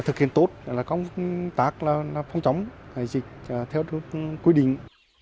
thực hiện tốt công tác phòng chống dịch theo đúng quy định